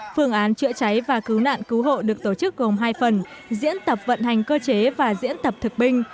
phương án chữa cháy và cứu nạn cứu hộ được tổ chức gồm hai phần diễn tập vận hành cơ chế và diễn tập thực binh